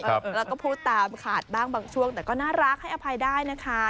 แล้วก็พูดตามขาดบ้างบางช่วงแต่ก็น่ารักให้อภัยได้นะคะ